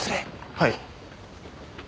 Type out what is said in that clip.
はい。